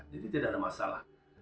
jadi tidak ada masalah